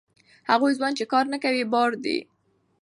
هغه ځوان چې کار نه کوي، بار دی.